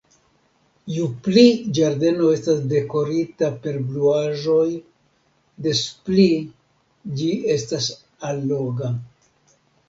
Ju pli ĝardeno estas dekorita per bluaĵoj, des pli ĝi estas alloga.